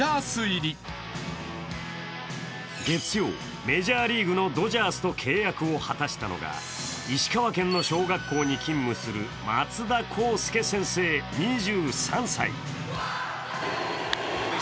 月曜、メジャーリーグのドジャースと契約を果たしたのが石川県の小学校に勤務する松田康甫先生、２３歳。